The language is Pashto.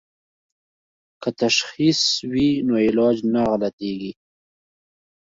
که تشخیص وي نو علاج نه غلطیږي.